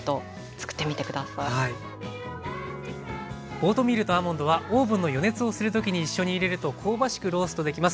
オートミールとアーモンドはオーブンの予熱をする時に一緒に入れると香ばしくローストできます。